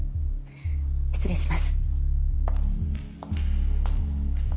失礼します。